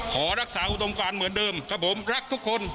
ขอรักษาอุดมการเหมือนเดิมครับผมรักทุกคน